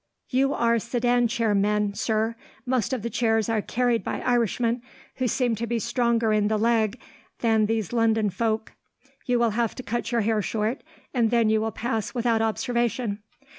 "You are sedan chair men, sir. Most of the chairs are carried by Irishmen, who seem to be stronger in the leg than these London folk. You will have to cut your hair short, and then you will pass without observation."